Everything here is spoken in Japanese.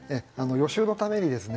予習のためにですね